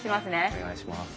お願いします。